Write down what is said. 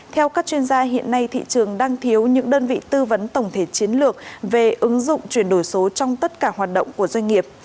theo các chuyên gia hiện nay thị trường đang thiếu những đơn vị tư vấn tổng thể chiến lược về ứng dụng chuyển đổi số trong tất cả hoạt động của doanh nghiệp